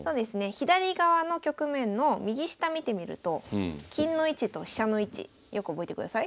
左側の局面の右下見てみると金の位置と飛車の位置よく覚えてください。